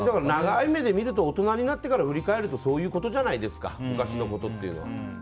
長い目で見ると大人になって振り返るとそうじゃないですか昔のことっていうのは。